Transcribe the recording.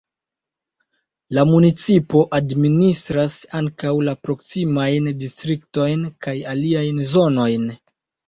La municipo administras ankaŭ la proksimajn distriktojn kaj aliajn zonojn.